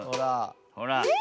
ほら。